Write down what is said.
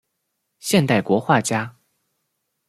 现代国画家。